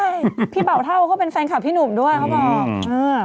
ใช่พี่เบาเท่าเขาเป็นแฟนคลับพี่หนุ่มด้วยเขาบอกเออ